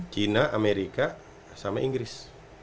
china amerika sama inggris